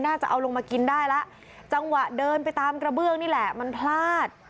จะเอาลงมากินได้แล้วจังหวะเดินไปตามกระเบื้องนี่แหละมันพลาด